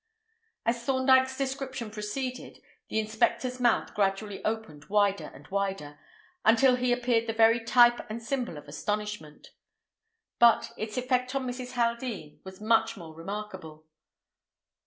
As Thorndyke's description proceeded, the inspector's mouth gradually opened wider and wider, until he appeared the very type and symbol of astonishment. But its effect on Mrs. Haldean was much more remarkable.